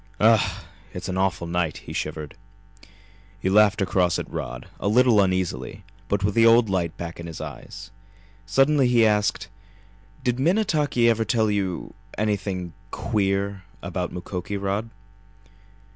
"Ugh! It's an awful night!" he shivered. He laughed across at Rod, a little uneasily, but with the old light back in his eyes. Suddenly he asked: "Did Minnetaki ever tell you anything queer about Mukoki, Rod?"